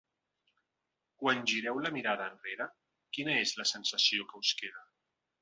Quan gireu la mirada enrere, quina és la sensació que us queda?